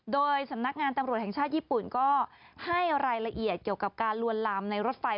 โดยสำนักงานตำรวจแห่งชาติญี่ปุ่นก็ให้รายละเอียดเกี่ยวกับการลวนลามในรถไฟ